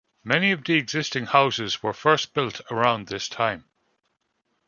Many of the existing houses were first built around this time.